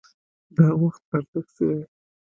د وخت ارزښت څه دی؟